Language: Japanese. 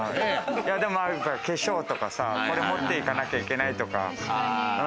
化粧とかさ、これ持っていかなきゃいけないとか。